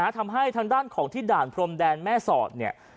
ทำให้ทางด้านของที่ด่านพรมแดนแม่สอดเนี่ย